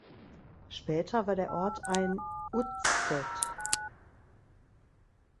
Später war der Ort ein Udsted.